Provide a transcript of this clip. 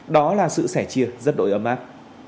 đó là sự sẻ chia rất đội âm ác